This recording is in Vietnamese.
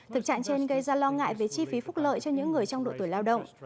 thực trạng trên gây ra lo ngại về chi phí phúc lợi cho những người trong độ tuổi lao động